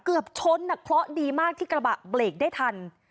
เกือบช้อนนะเพราะดีมากที่กระบะเปรกได้ทัน